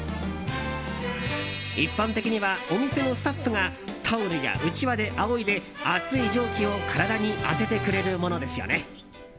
一般的には、お店のスタッフがタオルやうちわであおいで熱い蒸気を体に当ててくれるものですよね。